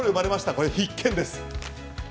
これ必見です。